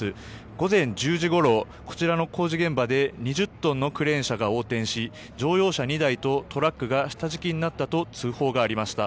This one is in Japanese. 午前１０時ごろこちらの工事現場で２０トンのクレーン車が横転し乗用車２台とトラックが下敷きになったと通報がありました。